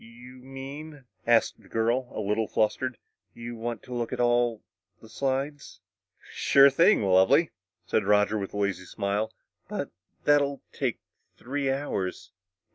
"You mean," asked the girl, a little flustered, "you want to look at all the slides?" "Sure thing, Lovely!" said Roger with a lazy smile. "But but that would take three hours!"